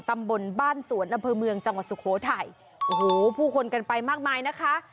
ตำบลบ้านสวนอำเภอเมืองจังหวัดสุโขทัยโอ้โหผู้คนกันไปมากมายนะคะ